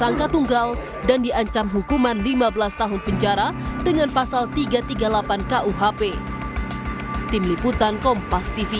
tersangka tunggal dan diancam hukuman lima belas tahun penjara dengan pasal tiga ratus tiga puluh delapan kuhp tim liputan kompas tv